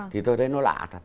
thì tôi thấy nó lạ thật